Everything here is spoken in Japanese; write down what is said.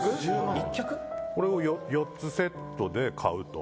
富澤：これを４つセットで買うと。